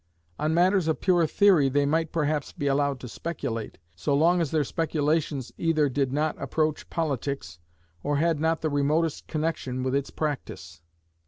On matters of pure theory they might perhaps be allowed to speculate, so long as their speculations either did not approach politics, or had not the remotest connection with its practice.